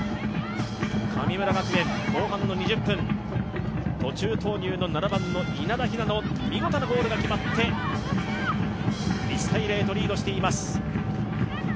神村学園後半の２０分途中投入の７番の稲田雛の見事なゴールが決まって１−０とリードしています。